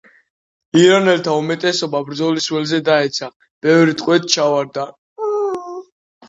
ირანელთა უმეტესობა ბრძოლის ველზე დაეცა, ბევრი ტყვედ ჩავარდა.